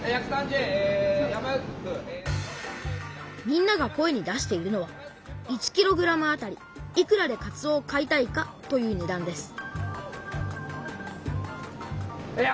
みんなが声に出しているのは「１ｋｇあたりいくらでかつおを買いたいか」というねだんです